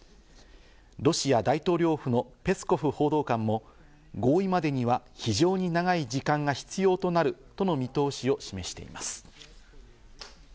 ロシア大統領府のペスコフ報道官も合意までには非常に長い時間が必要となるとの見通しを示しています。